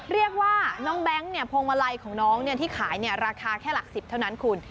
เรียกว่าน้องแบงค์พวงมาลัยของน้องที่ขายราคาแค่หลัก๑๐เท่านั้นคุณ